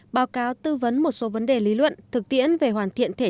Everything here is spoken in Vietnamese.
báo cáo tư vấn một số vấn đề lý luận thực tiễn về hoàn thiện thể chế